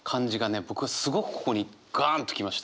僕はすごくここにガンと来ました。